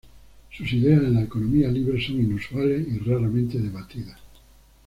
Sus ideas en la economía libre son inusuales y raramente debatidas.